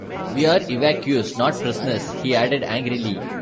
We're evacuees, not prisoners, he added angrily.